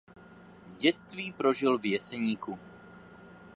Dětství prožil v Jeseníku.